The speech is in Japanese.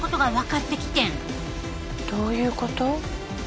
どういうこと？